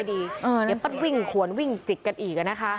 เดี๋ยวมันวิ่งขวนวิ่งจิกกันอีกนะคะ